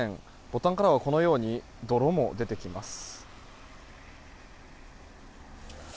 ボタンからはこのように泥も出てきます。